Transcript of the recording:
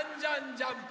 ジャンプ！！」